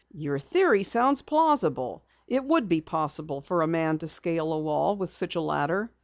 "Your theory sounds plausible. It would be possible for a man to scale a wall with such a ladder."